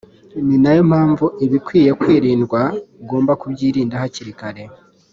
ni nayo mpamvu ibikwiye kwirindwa ugomba kubyirinda hakiri kare